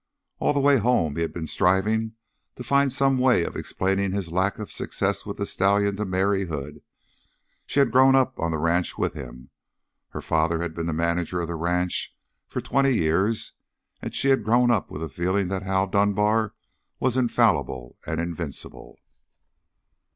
All the way home he had been striving to find some way of explaining his lack of success with the stallion to Mary Hood. She had grown up on the ranch with him, for her father had been the manager of the ranch for twenty years; and she had grown up with the feeling that Hal Dunbar was infallible and invincible.